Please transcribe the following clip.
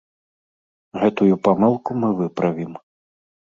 Гэтую памылку мы выправім.